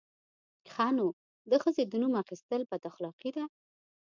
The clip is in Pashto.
_ښه نو، د ښځې د نوم اخيستل بد اخلاقي ده!